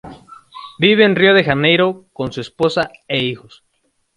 Vive en Río de Janeiro, con su esposa e hijos.